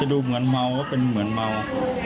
สวัสดีครับคุณผู้ชาย